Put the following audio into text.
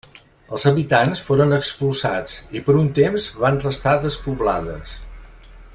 Els habitants foren expulsats i per un temps van restar despoblades.